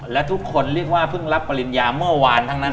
และทุกคนเรียกว่าเพิ่งรับปริญญาเมื่อวานทั้งนั้น